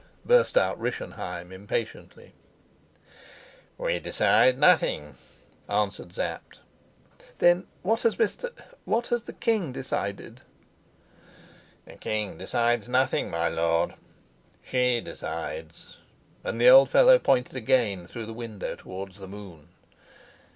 burst out Rischenheim impatiently. "We decide nothing," answered Sapt. "Then what has Mr. what has the king decided?" "The king decides nothing, my lord. She decides," and the old fellow pointed again through the window towards the moon.